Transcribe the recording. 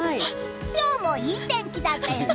今日もいい天気だったよね。